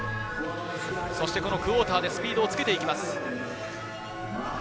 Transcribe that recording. そしてクォーターでスピードをつけていきます。